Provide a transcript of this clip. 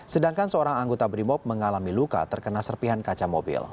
sedangkan seorang anggota brimob mengalami luka terkena serpihan kaca mobil